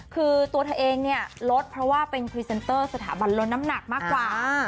คือตัวเธอเองเนี่ยลดเพราะว่าเป็นพรีเซนเตอร์สถาบันลดน้ำหนักมากกว่า